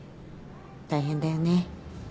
大変だよね。